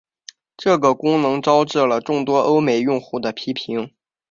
这个功能招致了众多欧美用户的批评。